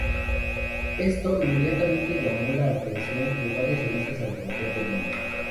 Esto inmediatamente llamó la atención de muchas revistas alrededor del mundo.